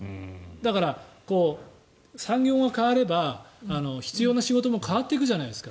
だから、産業が変われば必要な仕事も変わっていくじゃないですか。